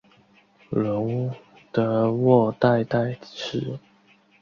伦德沃代代什。